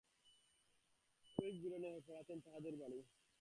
অধিক দূরে নহে, পাড়াতেই তাহাদের বাড়ি।